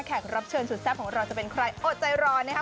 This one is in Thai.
รับเชิญสุดแซ่บของเราจะเป็นใครอดใจรอนะคะ